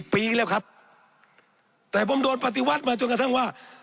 ปีแล้วครับแต่ผมโดนปฏิวัติมาจนกระทั่งว่า